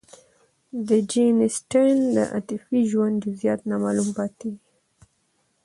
د جین اسټن د عاطفي ژوند جزئیات نامعلوم پاتې دي.